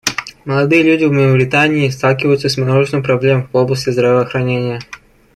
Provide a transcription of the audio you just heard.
Молодые люди в Мавритании сталкиваются с множеством проблем в области здравоохранения.